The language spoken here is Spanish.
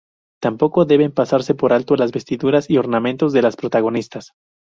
Tampoco deben pasarse por alto las vestiduras y ornamentos de las protagonistas.